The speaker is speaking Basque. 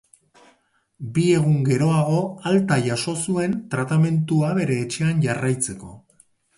Bi egun geroago alta jaso zuen tratamendua bere etxean jarraitzeko.